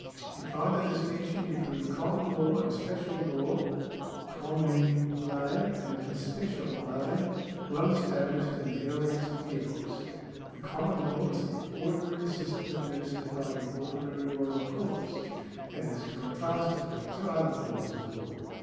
We find the distinction between common law and special law {commune ley and especial ley) well established in the earliest Year Books.^ The common law is the ordinary system administered by the ordinary royal courts, and is contrasted with two other forms of law.